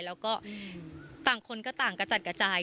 แล้วก็ต่างคนก็ต่างกระจัดกระจาย